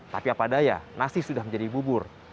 tapi apa daya nasi sudah menjadi bubur